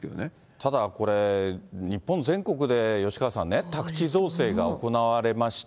ただこれ、日本全国で吉川さんね、宅地造成が行われました。